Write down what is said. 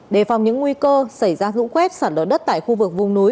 đề phòng những nguy cơ xảy ra rũ khuét sản đỡ đất tại khu vực vùng núi